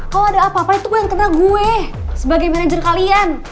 kalau ada apa apa itu gue yang kena gue sebagai manajer kalian